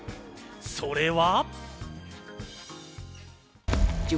それは。